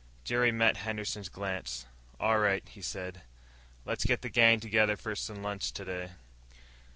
Jerry met Henderson's glance. "All right," he said. "Let's get the gang together for lunch today."